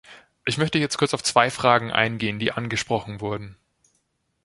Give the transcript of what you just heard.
Ich möchte jetzt kurz auf zwei Fragen eingehen, die angesprochen wurden.